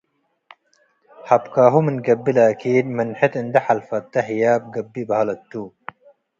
ሀብካሁ ምን ገብእ ላኪን ምንሕት እንዴ ሐልፈተ ህያብ ገብአት በህለት ቱ ።